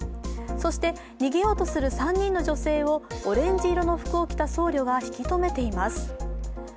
そして逃げようとする３人の女性をオレンジ色の服を着た僧侶が引き止めています。